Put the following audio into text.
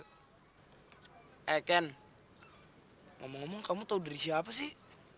eh ken ngomong ngomong kamu tau dari siapa sih